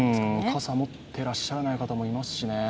傘持ってらっしゃらない方もいますしね。